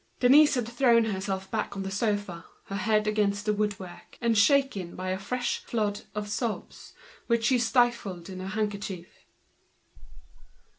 Denise had thrown herself back on the sofa, her head against the wood work, shaken by a fresh flood of sobs, which she stifled in her handkerchief.